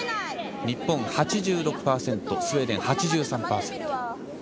日本８６％、スウェーデン８３％。